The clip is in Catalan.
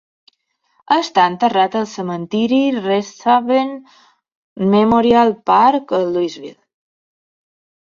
Està enterrat al cementiri Resthaven Memorial Park a Louisville.